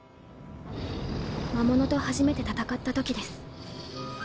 魔物と初めて戦った時です。